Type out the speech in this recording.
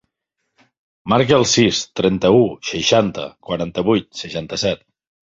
Marca el sis, trenta-u, seixanta, quaranta-vuit, seixanta-set.